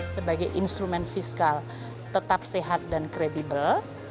sebagai instrumen fiskal tetap sehat dan kredibel